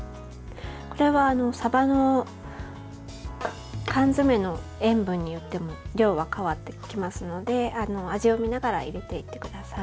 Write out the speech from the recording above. さばの缶詰の塩分によっても量は変わってきますので味を見ながら入れていってください。